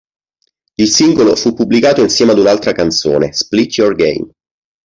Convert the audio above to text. Il singolo fu pubblicato insieme ad un'altra canzone, Split Your Game.